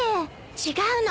違うの。